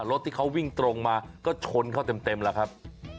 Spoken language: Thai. รถที่เขาวิ่งตรงมาก็ชนเขาเต็มแล้วครับ